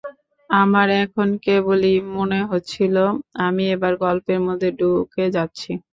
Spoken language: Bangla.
আমার এখন কেবলই মনে হচ্ছিল, আমি এবার গল্পের মধ্যে ঢুকে যাচ্ছি।